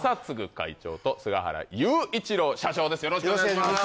会長と菅原勇一郎社長です